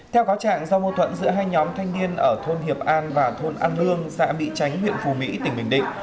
theo cáo trạng do mâu thuẫn giữa hai nhóm thanh niên ở thôn hiệp an và thôn an hương sẽ bị tránh huyện phù mỹ tỉnh bình định